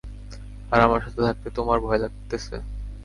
আর আমার সাথে থাকতে তোমার ভয় লাগতেছে?